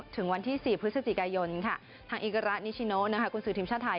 ถึงวันที่๔พฤศจิกายนทางอิการะนิชิโนกุญสือทีมชาติไทย